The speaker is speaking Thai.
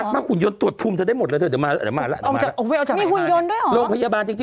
แล้วมันเชื่อได้หรือหัวแม่อย่างไรอ่ะโดยยอด